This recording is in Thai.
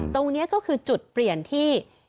ตรงนี้ก็คือจุดเปลี่ยนที่